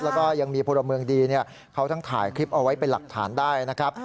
แล้วก็ยังมีพลเมืองดีเขาทั้งถ่ายคลิปเอาไว้เป็นหลักฐานได้นะครับ